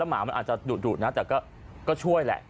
หมาอาจจะดูดแต่ก็ช่วยแหละ